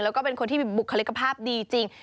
แล้วก็เป็นคนที่มีบุคลิกภาพดีจริง